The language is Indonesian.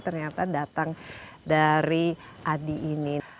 ternyata datang dari adi ini